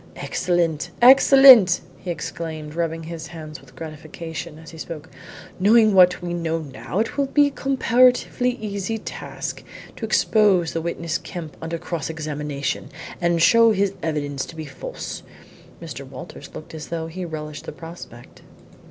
"Excellent! excellent!" he exclaimed, rubbing his hands with gratification as he spoke. "Knowing what we know now, it will be a comparatively easy task to expose the witness Kemp under cross examination, and show his evidence to be false." Mr. Walters looked as though he relished the prospect.